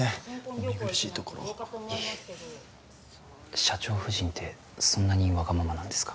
お見苦しいところをいえ社長夫人ってそんなにわがままなんですか？